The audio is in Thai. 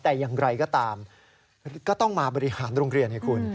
แต่อย่างไรก็ตามก็ต้องมาบริหารโรงเรียนให้คุณ